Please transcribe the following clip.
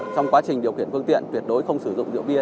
trong quá trình điều khiển phương tiện tuyệt đối không sử dụng rượu bia